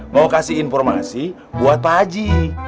mau kasih informasi buat pak haji